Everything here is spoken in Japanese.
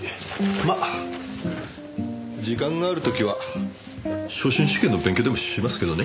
まあ時間がある時は昇進試験の勉強でもしますけどね。